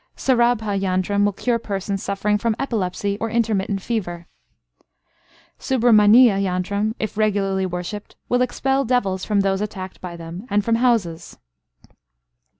Sarabha yantram will cure persons suffering from epilepsy or intermittent fever. Subramaniya yantram, if regularly worshipped, will expel devils from those attacked by them, and from houses.